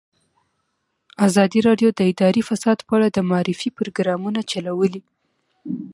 ازادي راډیو د اداري فساد په اړه د معارفې پروګرامونه چلولي.